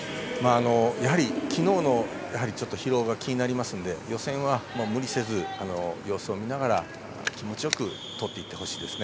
やはり昨日の疲労が気になるので予選は無理せず様子を見ながら気持ちよく通っていってほしいですね。